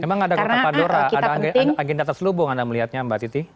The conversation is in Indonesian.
emang ada kotak pandora ada agenda terselubung anda melihatnya mbak siti